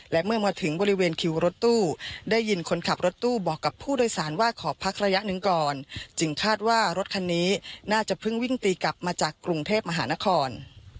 และเมื่อมาถึงบริเวณคิวรถตู้ได้ยินคนขับรถตู้บอกกับผู้โดยสารว่าขอพักระยะหนึ่งก่อนจึงคาดว่ารถคันนี้น่าจะเพิ่งวิ่งตีกลับมาจากกรุงเทพมหานคร